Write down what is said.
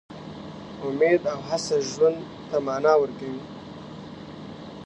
امید او هڅه ژوند ته مانا ورکوي.